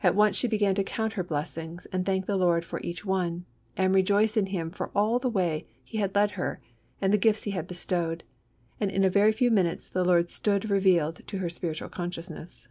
At once she began to count her blessings and thank the Lord for each one, and rejoice in Him for all the way He had led her, and the gifts He had bestowed, and in a very few minutes the Lord stood revealed to her spiritual consciousness.